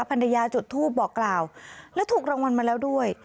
ภรรยาจุดทูปบอกกล่าวและถูกรางวัลมาแล้วด้วย